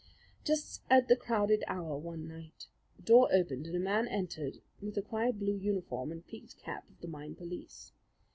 Just at the crowded hour one night, the door opened and a man entered with the quiet blue uniform and peaked cap of the mine police.